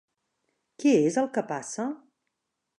Què és el que passa?